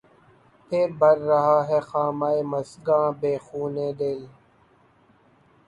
پهر بهر رہا ہے خامہ مژگاں، بہ خونِ دل